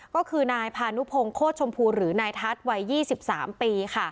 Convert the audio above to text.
ก็คือนายพานุพงศ์โคตรชมพูหรือนายทัศน์วัย๒๓ปี